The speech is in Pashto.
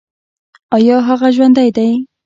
ایا هغه ژوندی دی؟